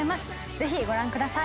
ぜひご覧ください。